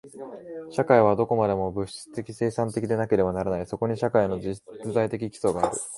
社会はどこまでも物質的生産的でなければならない。そこに社会の実在的基礎がある。